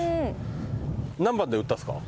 何番で打ったんですか？